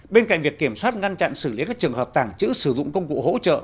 bên cạnh việc kiểm soát ngăn chặn xử lý các trường hợp tàng trữ sử dụng công cụ hỗ trợ